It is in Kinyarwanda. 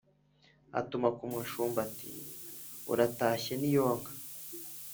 atuma ku mushumba ati: “uritashye n’iyo nka!